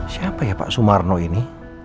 siapa ya pak sumarno ini